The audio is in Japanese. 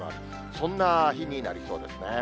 そんな日になりそうですね。